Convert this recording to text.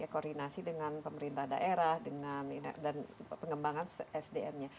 koordinasi dengan pemerintah daerah dengan dan pengembangan sdm nya